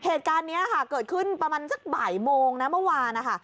เหตุการณ์นี้ค่ะเกิดขึ้นประมาณสักบ่ายโมงนะเมื่อวานนะคะ